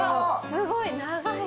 すごい長い。